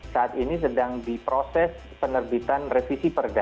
saat ini sedang di proses penerbitan revisi perda